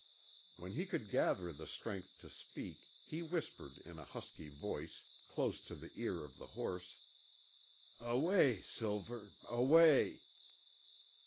When he could gather the strength to speak, he whispered in a husky voice, close to the ear of the horse, "Away, Silver away."